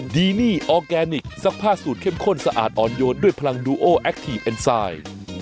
ดีนี่ออร์แกนิคซักผ้าสูตรเข้มข้นสะอาดอ่อนโยนด้วยพลังดูโอแอคทีฟเอ็นไซด์